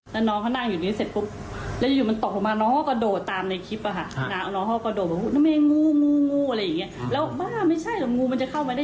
แล้วเฝ้าดูอยู่ครับเฝ้าดูว่ามันจะออกมา